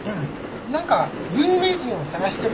なんか有名人を探してるみたい。